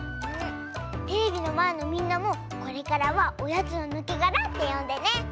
テレビのまえのみんなもこれからは「おやつのぬけがら」ってよんでね。